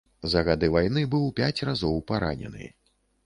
За гады вайны быў пяць разоў паранены.